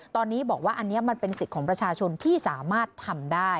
ตอนนี้บอกว่าอันนี้มันเป็นสิทธิ์ของประชาชนที่สามารถทำได้